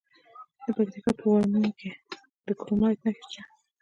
د پکتیکا په ورممی کې د کرومایټ نښې شته.